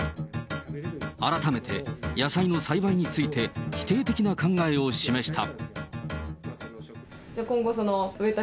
改めて野菜の栽培について、否定的な考えを示した。